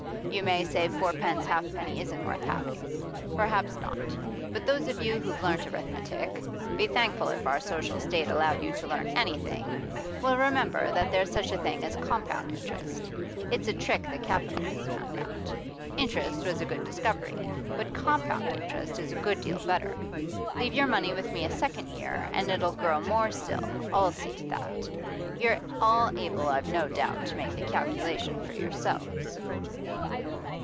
You may say fourpence halfpenny isn't worth having. Perhaps not, but those of you who've learnt arithmetic be thankful if our social state allowed you to learn anything will remember that there's such a thing as compound interest. It's a trick the capitalists found out. Interest was a good discovery, but compound interest a good deal better. Leave your money with me a second year, and it'll grow more still, I'll see to that. You're all able, I've no doubt, to make the calculation for yourselves."